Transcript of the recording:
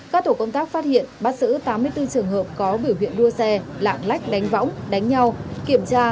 các tổ công tác phát hiện bắt xử tám mươi bốn trường hợp có biểu hiện đua xe lạng lách đánh võng đánh nhau kiểm tra